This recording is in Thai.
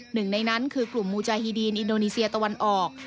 หนึ่งในนั้นคือกลุ่มมูจาฮีดีนอินโดนีเซียตะวันออก